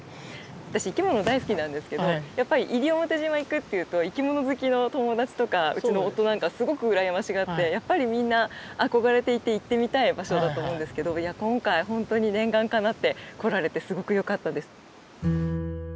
私生き物大好きなんですけどやっぱり西表島行くっていうと生き物好きの友達とかうちの夫なんかすごく羨ましがってやっぱりみんな憧れていて行ってみたい場所だと思うんですけど今回ほんとに念願かなって来られてすごくよかったです。